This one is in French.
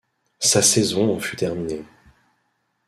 Sa saison en fut terminée.